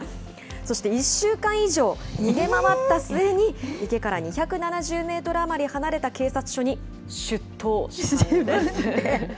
そして、１週間以上逃げ回った末に、池から２７０メートル余り離れた警察署に出頭したんですね。